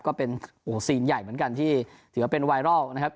ก็เป็นซีนใหญ่เหมือนกันที่ถือว่าเป็นไวรัลนะครับ